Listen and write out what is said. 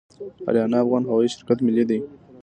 اریانا افغان هوایی شرکت ملي دی